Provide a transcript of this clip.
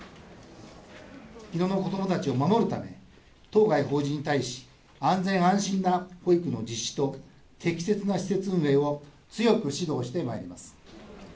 日野の子どもたちを守るために、当該法人に対し、安全安心な保育の実施と、適切な施設運営を強く指導してまいります。